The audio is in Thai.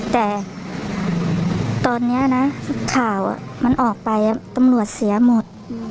แต่ตอนนี้นะข่าวมันออกไปตำรวจเสียหมด